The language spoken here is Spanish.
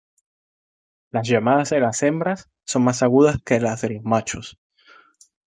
Las llamadas de las hembras son más agudas que las de los machos.